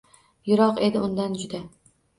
Yiroq edi undan juda